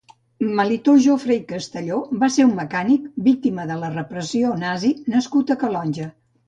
Melitó Jofre i Castelló va ser un mecànic, víctima de la repressió nazi nascut a Calonge.